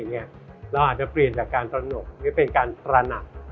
เราอาจจะเปลี่ยนจากการตระหนกหรือเป็นการตระหนัก